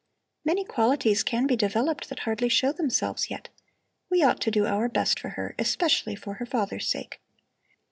Many qualities can be developed that hardly show themselves yet. We ought to do our best for her, especially for her father's sake."